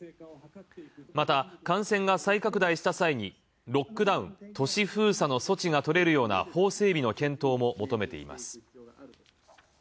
また、感染が再拡大した際にロックダウン＝都市封鎖の措置が取れるような法整備の検討も求めています。